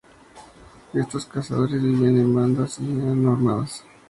Estos cazadores vivían en bandas y eran nómadas.